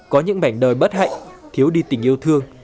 có những mảnh đời bất hạnh thiếu đi tình yêu thương